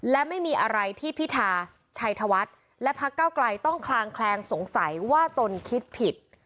และไม่มีอะไรที่พิธาชัยธวัฒน์และพักเก้าไกลต้องคลางแคลงสงสัยว่าตนคิดผิด